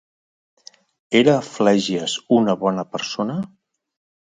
Era Flègies una bona persona?